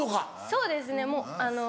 そうですねあの。